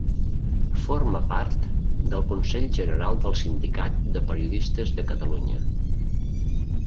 Forma part del Consell General del Sindicat de Periodistes de Catalunya.